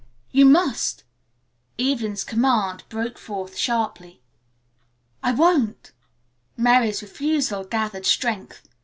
"You must," Evelyn's command broke forth sharply. "I won't," Mary refusal gathered strength.